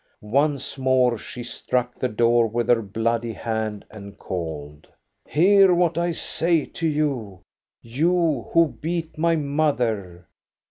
Once more she struck the door with her bloody hand and called :— "Hear what I say to you, — you, who beat my mother.